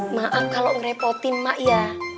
maaf kalau ngerepotin mak ya